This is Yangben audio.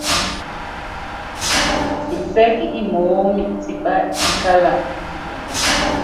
Nsɛɛ́k imoóní tipá ikála ɛ́ kitɛndɛ́.